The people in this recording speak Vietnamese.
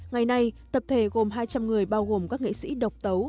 ngày nay tập thể gồm hai trăm linh người bao gồm các nghệ sĩ độc tấu